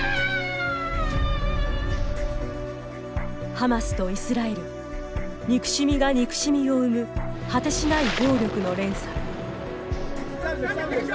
ハマスとイスラエル憎しみが憎しみを生む果てしない暴力の連鎖。